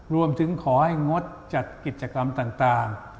รวมถึงขอให้งดจัดกิจกรรมต่าง